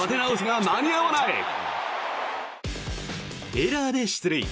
エラーで出塁。